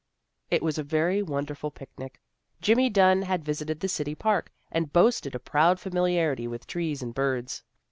" It was a very wonderful picnic. Jimmy Dunn had visited the city park, and boasted a proud familiarity with trees and birds.